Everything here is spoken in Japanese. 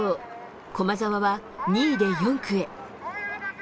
駒澤は２位で４区へ。